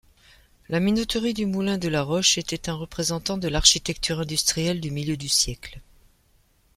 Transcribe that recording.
La minoterie du Moulin-de-la-Roche était un représentant de l'architecture industrielle du milieu du siècle.